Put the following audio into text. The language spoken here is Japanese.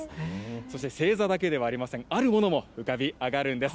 そして星座だけではありません、あるものも浮かび上がるんです。